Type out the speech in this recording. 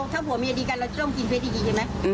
ถ้าผัวเมียดีกันเราจะต้องกินเฟสดีใช่ไหม